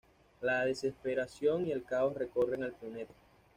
La desesperación y el caos recorren el planeta.